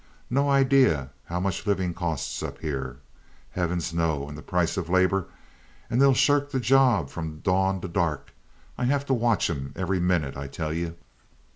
No idea how much living costs up here. Heavens, no! And the prices for labor! And then they shirk the job from dawn to dark. I have to watch 'em every minute, I tell you!"